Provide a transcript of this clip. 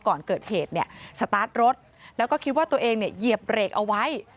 ก่อนเกิดเหตุสตาร์ทรถแล้วก็คิดว่าตัวเองเหยียบเหลกเอาไว้